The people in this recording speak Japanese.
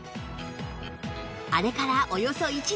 あれからおよそ１年